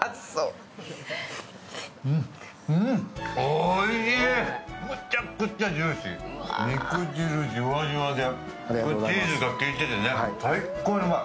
おいしい、むちゃくちゃジューシー肉汁じゅわじゅわでチーズが効いてて最高にうまい。